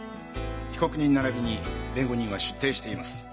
被告人ならびに弁護人は出廷しています。